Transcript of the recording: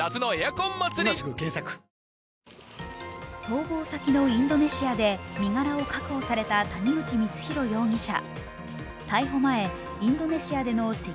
逃亡先のインドネシアで身柄を確保された谷口光弘容疑者。